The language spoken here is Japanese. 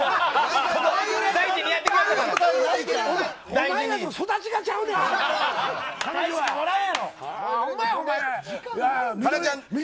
お前らと育ちがちゃうねん。